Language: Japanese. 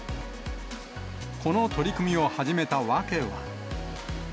この取り組みを始めた訳は。